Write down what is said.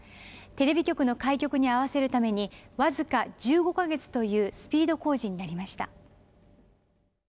テレビ局の開局に合わせるために僅か１５か月というスピード工事になりました。